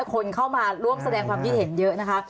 คนเข้ามาร่วมแสดงความคิดเห็นเยอะนะคะ